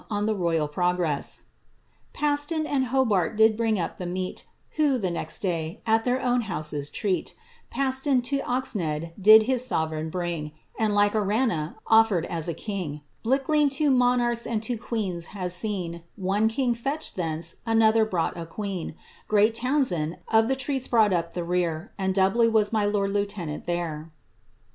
f thi Royal Peogeks^ Paston and Hobart did bring up Uie meat, Who, the next day, at their own houses treat, Paston to Oxnead did his sovereign bring, And, like Arannah, offered as a king. Blickling two monarchs and two queens has seen ;' One king fetched thence ^another brought a queen. Great Townsend, of the treats brought up the rear, And doubly was my lord lieutenant there."